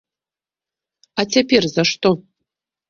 А цяпер за што?